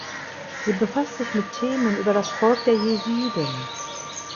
Sie befasst sich mit Themen über das Volk der Jesiden.